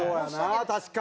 確かにな。